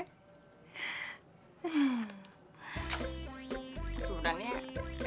sudah nih ya